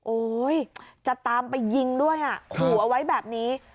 โอ๊ยจะตามไปยิงด้วยอ่ะขู่เอาไว้แบบนี้